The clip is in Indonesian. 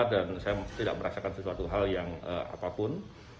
dan saya tidak merasakan sesuatu hal yang apapun